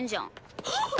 はっ！